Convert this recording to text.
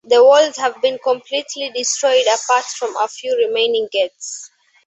The walls have been completely destroyed apart from a few remaining gates.